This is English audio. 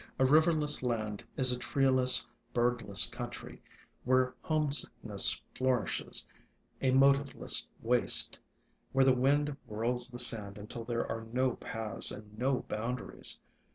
A riverless land is a treeless, birdless country where homesickness flourishes; a motiveless waste, where the wind whirls the sand until there are no paths and no boundaries.